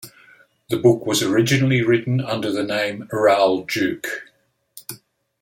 The book was originally written under the name Raoul Duke.